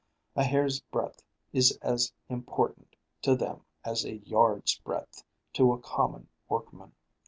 A hair's breadth is as important to them as a yard's breadth to a common workman."